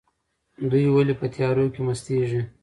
دوی ولې په تیارو کې مستیږي؟